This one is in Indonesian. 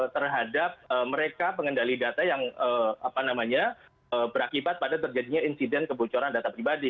terhadap mereka pengendali data yang berakibat pada terjadinya insiden kebocoran data pribadi